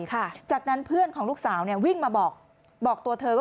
หลังจากนั้นเพื่อนของลูกสาววิ่งมาบอกตัวเธอ